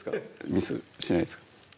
ミスしないですか？